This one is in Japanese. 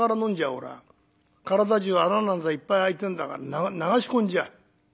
体じゅう穴なんざいっぱい開いてんだから流し込んじゃう」。